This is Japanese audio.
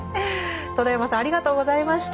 戸田山さんありがとうございました。